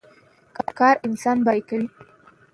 کار انسان بريالی کوي.